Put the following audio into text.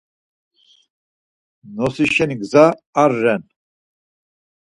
Nosi şeni gza ar ren!